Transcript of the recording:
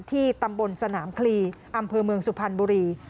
ที่ตำบลสนามคลีอำเภอเมืองสุพรรณบุรี